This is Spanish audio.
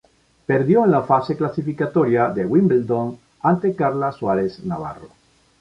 Perdió en la fase clasificatoria de Wimbledon ante Carla Suárez Navarro.